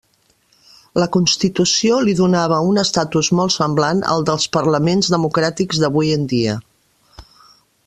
La Constitució li donava un estatus molt semblant al dels parlaments democràtics d'avui en dia.